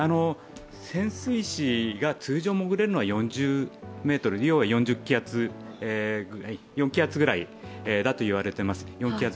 潜水士が通常潜れるのは４０ｍ、４気圧ぐらいだと言われています。